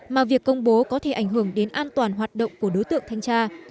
mà việc công bố có thể ảnh hưởng đến an toàn hoạt động của đối tượng thanh tra